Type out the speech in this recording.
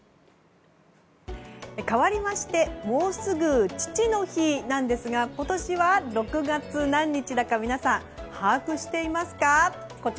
かわりましてもうすぐ父の日なんですが今年は６月何日か皆さん、把握していますか？